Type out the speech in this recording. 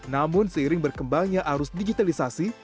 namun seiring berkembangnya arus digitalisasi